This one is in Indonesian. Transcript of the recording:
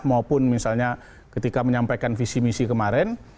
maupun misalnya ketika menyampaikan visi misi kemarin